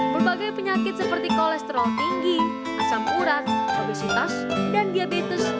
berbagai penyakit seperti kolesterol tinggi asam urat obesitas dan diabetes